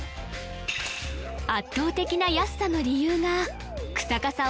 圧倒的な安さの理由が日下さん